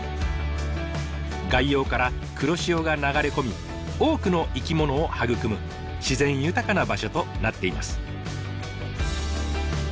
外洋から黒潮が流れ込み多くの生き物を育む自然豊かな場所となっています。